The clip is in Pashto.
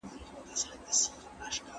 ماشومان له ادب سره اشنا کوي.